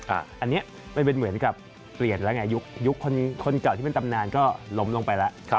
อันนี้มันเป็นเหมือนกับเปลี่ยนแล้วไงยุคคนเก่าที่เป็นตำนานก็ล้มลงไปแล้ว